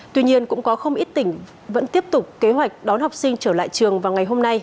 tuy nhiên cũng có không ít tỉnh vẫn tiếp tục kế hoạch đón học sinh trở lại trường vào ngày hôm nay